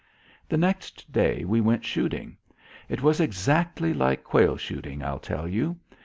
The next day we went shooting. It was exactly like quail shooting. I'll tell you.